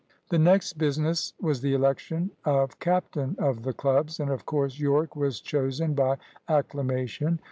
The next business was the election of captain of the clubs; and of course Yorke was chosen by acclamation.